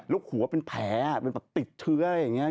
ลูกหัวเป็นแผลติดเทื้อพี่ทำอย่างนี้